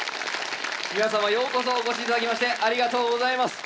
皆様ようこそお越し頂きましてありがとうございます。